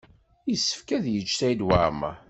Yessefk ad yečč Saɛid Waɛmaṛ.